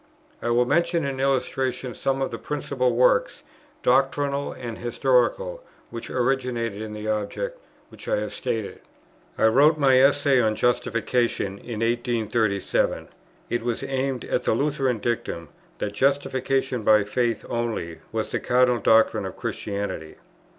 I will mention in illustration some of the principal works, doctrinal and historical, which originated in the object which I have stated. I wrote my Essay on Justification in 1837; it was aimed at the Lutheran dictum that justification by faith only was the cardinal doctrine of Christianity.